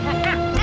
hah sabit gak